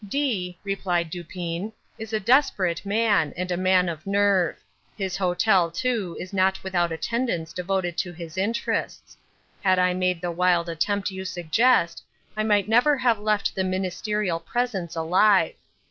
"D——," replied Dupin, "is a desperate man, and a man of nerve. His hotel, too, is not without attendants devoted to his interests. Had I made the wild attempt you suggest, I might never have left the Ministerial presence alive.